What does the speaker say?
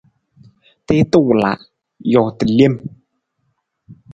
Tiita wala, joota lem.